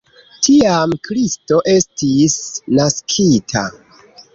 Tiam Kristo estis naskita.